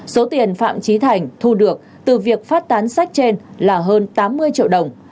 số tiền phạm trí thành thu được từ việc phát tán sách trên là hơn tám mươi triệu đồng